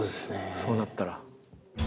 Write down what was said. そうなったら。